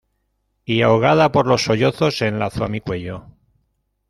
y ahogada por los sollozos se enlazó a mi cuello.